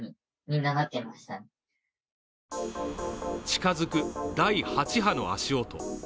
近づく第８波の足音。